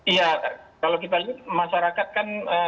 iya kalau kita lihat masyarakat kan